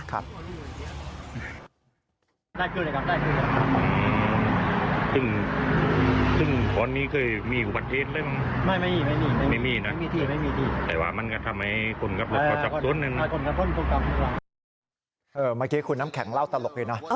เมื่อกี้คุณน้ำแข็งเล่าตลกเลยนะ